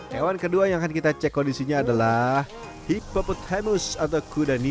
hewan kedua yang akan kita cek kondisinya adalah hippopothemus atau kudani